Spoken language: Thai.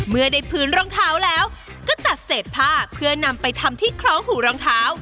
เมื่อได้พื้นรองเท้าแล้วก็ตัดเศษผ้าเพื่อนำไปทำที่คล้องหูรองเท้า